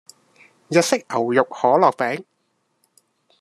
日式牛肉可樂餅